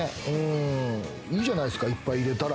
いいじゃないですか、いっぱい入れたら！